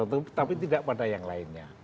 atau kelompok tertentu tapi tidak pada yang lainnya